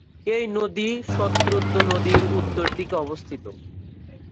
এটি নদী শতদ্রু নদীর উত্তর দিকে অবস্থিত।